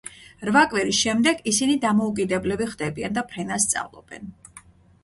რვა კვირის შემდეგ ისინი დამოუკიდებლები ხდებიან და ფრენას სწავლობენ.